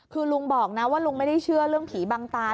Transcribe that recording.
คือลุงบอกนะว่าลุงไม่ได้เชื่อเรื่องผีบังตา